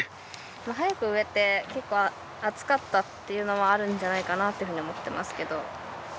早く植えて結構暑かったっていうのもあるんじゃないかなというふうに思ってますけど。